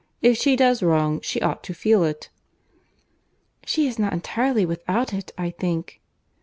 If she does wrong, she ought to feel it." "She is not entirely without it, I think."